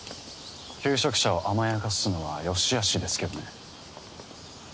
求職者を甘やかすのは善しあしですけどね。